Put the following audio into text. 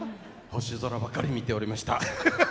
星空ばかり見ておりました。